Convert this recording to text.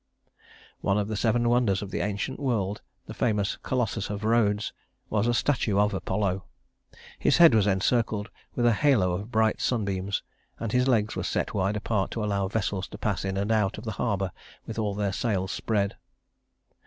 One of the Seven Wonders of the ancient world, the famous Colossus of Rhodes, was a statue of Apollo. His head was encircled with a halo of bright sunbeams, and his legs were set wide apart to allow vessels to pass in and out of the harbor with all their sails spread.